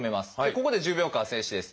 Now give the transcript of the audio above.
ここで１０秒間静止です。